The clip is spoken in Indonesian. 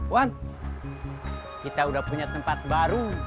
wan kita udah punya tempat baru